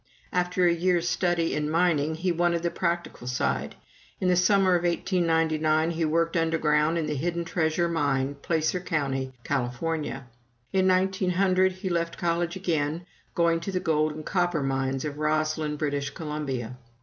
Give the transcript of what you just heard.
After a year's study in mining he wanted the practical side. In the summer of 1899 he worked underground in the Hidden Treasure Mine, Placer county, California. In 1900 he left college again, going to the gold and copper mines of Rossland, British Columbia.